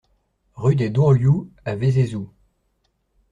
Rue des Dourlioux à Vézézoux